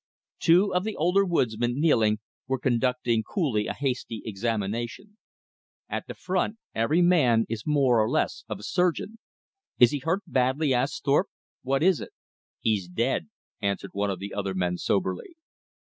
Two of the older woodsmen, kneeling, were conducting coolly a hasty examination. At the front every man is more or less of a surgeon. "Is he hurt badly?" asked Thorpe; "what is it?" "He's dead," answered one of the other men soberly.